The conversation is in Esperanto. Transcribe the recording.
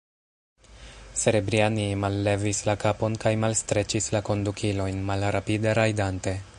Serebrjanij mallevis la kapon kaj malstreĉis la kondukilojn, malrapide rajdante.